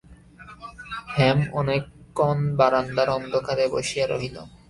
হেম অনেকক্ষণ বারান্দার অন্ধকারে বসিয়া রহিল।